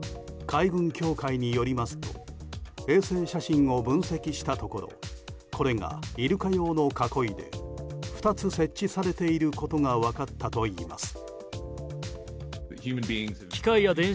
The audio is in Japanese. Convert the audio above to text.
海軍協会によりますと衛星写真を分析したところこれがイルカ用の囲いで２つ設置されていることが分かったといいます。